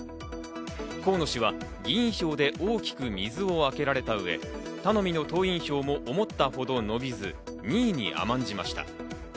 河野氏が議員票で大きく水をあけられた上、頼みの党員票も思ったほど伸びず、２位に甘んじました。